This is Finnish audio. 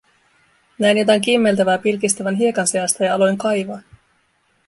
Näin jotain kimmeltävää pilkistävän hiekan seasta ja aloin kaivaa.